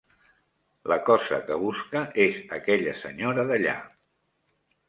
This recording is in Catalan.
La cosa que busca és aquella senyora d'allà.